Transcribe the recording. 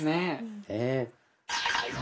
ねえ。